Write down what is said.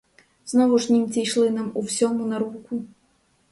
Знову ж німці йшли нам у всьому на руку.